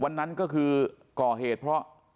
วันนั้นก็คือก่อเหตุเพราะ